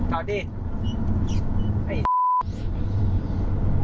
ไม่ได้ยิง